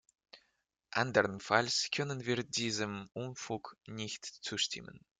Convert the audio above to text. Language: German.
Andernfalls können wir diesem Unfug nicht zustimmen.